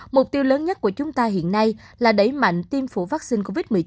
mục tiêu lớn nhất của chúng ta hiện nay là đẩy mạnh tiêm chủng vaccine covid một mươi chín